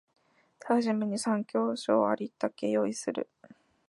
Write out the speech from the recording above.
手始めに参考書をありったけ用意する